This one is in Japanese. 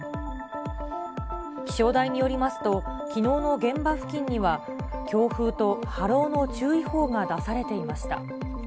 気象台によりますと、きのうの現場付近には強風と波浪の注意報が出されていました。